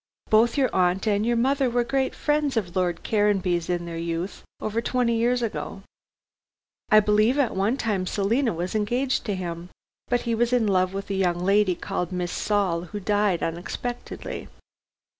Both your aunt and your mother were great friends of Lord Caranby's in their youth, over twenty years ago. I believe at one time Selina was engaged to him, but he was in love with a young lady called Miss Saul, who died unexpectedly."